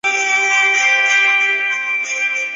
目前镇上幸存四排古老板店。